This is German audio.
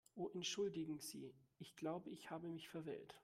Oh entschuldigen Sie, ich glaube, ich habe mich verwählt.